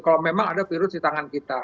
kalau memang ada virus di tangan kita